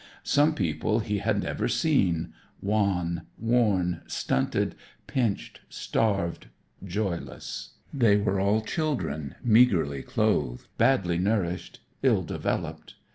Such people he had never seen: wan, worn, stunted, pinched, starved, joyless. They were all children, meagerly clothed, badly nourished, ill developed.